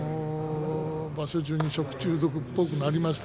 場所中に食中毒っぽくなりました。